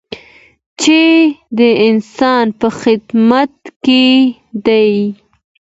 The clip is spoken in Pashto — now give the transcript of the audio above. چې د انسان په خدمت کې دی.